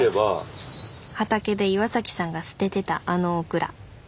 畑で岩さんが捨ててたあのオクラ。